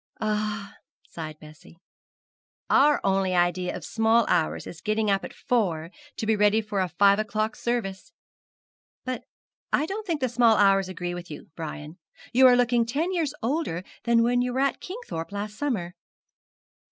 'Ah!' sighed Bessie, 'our only idea of the small hours is getting up at four, to be ready for a five o'clock service. But I don't think the small hours agree with you, Brian. You are looking ten years older than when you were at Kingthorpe last summer.'